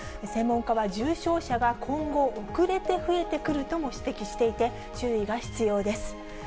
専門家は、重症者が今後遅れて増えてくるとも指摘していて、注意が必要です。